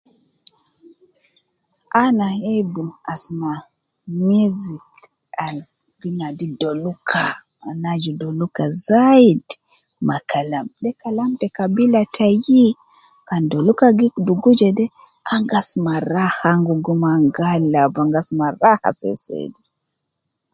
Ana hebu asuma music al gi nadi doluka ana aju doluka zaidi ma kalam de kalam te kabila tayi kan doluka gi dugu jede ana gi asuma raha ana gi gum ana gi alab ana gi asuma raha sei sei dee.